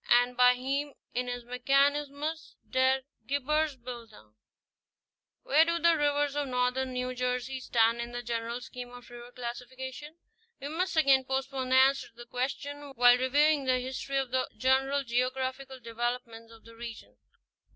141, 149), and a Heim in his Mechanismus der Geir bildune (i, 272, ete., ii, 79, 320). Where e fate rivers of northern New Jersey stand in this general scheme of river classification? We must again postpone the answer to the question, while reviewing the history of the general geographical development of the region.